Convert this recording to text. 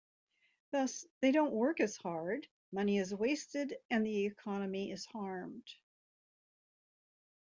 Thus, they don't work as hard, money is wasted and the economy is harmed.